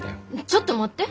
ちょっと待って。